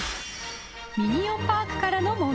［ミニオン・パークからの問題です］